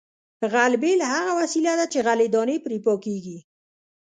غلبېل هغه وسیله ده چې غلې دانې پرې پاکیږي